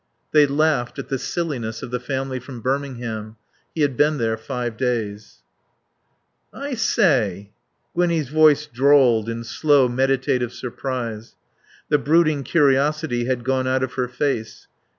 They laughed at the silliness of the family from Birmingham. He had been there five days. "I , sa ay " Gwinnie's voice drawled in slow meditative surprise. The brooding curiosity had gone out of her face.